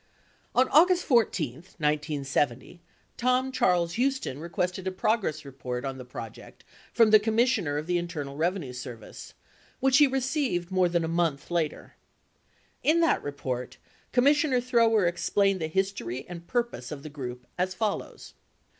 63 On August 14, 1970, Tom Charles Huston requested a progress report on the project from the Commissioner of the Internal Revenue Service, which he received more than a month later. In that report, Commissioner Thrower explained the history and purpose of the group as follows